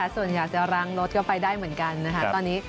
ส่วนอย่างซิลร้างรถก็ไปได้เหมือนกัน